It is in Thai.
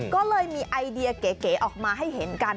ก็เลยมีไอเดียเก๋ออกมาให้เห็นกัน